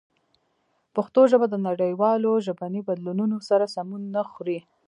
پښتو ژبه د نړیوالو ژبني بدلونونو سره سمون نه خوري.